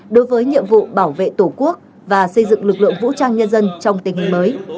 đối với nhiệm vụ bảo vệ tổ quốc và xây dựng lực lượng vũ trang nhân dân trong tình hình mới